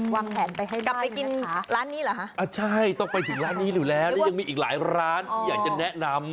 วางแผนไปให้บ้านนะคะอ่ะใช่ต้องไปถึงร้านนี้ดูแลยังมีอีกหลายร้านอยากจะแนะนำ